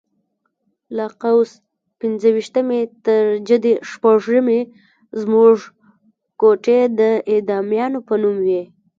له قوس پنځه ویشتمې تر جدي شپږمې زموږ کوټې د اعدامیانو په نوم وې.